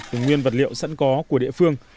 từ nguyên vật liệu sẵn có của địa phương